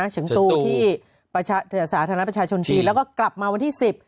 สิงตูที่สาธารณะประชาชนจีนแล้วก็กลับมาวันที่๑๐